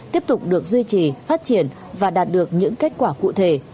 tiếp tục được duy trì phát triển và đạt được những kết quả cụ thể